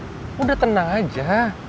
sudah tenang saja